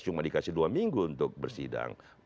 cuma dikasih dua minggu untuk bersidang